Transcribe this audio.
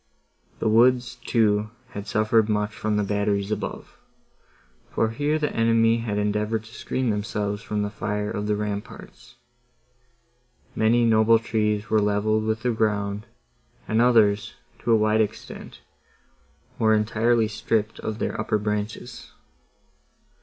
The woods, too, had suffered much from the batteries above, for here the enemy had endeavoured to screen themselves from the fire of the ramparts. Many noble trees were levelled with the ground, and others, to a wide extent, were entirely stripped of their upper branches.